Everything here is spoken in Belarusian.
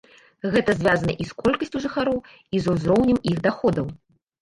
Гэта звязана і з колькасцю жыхароў, і з узроўнем іх даходаў.